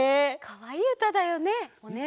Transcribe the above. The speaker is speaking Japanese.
かわいいうただよね。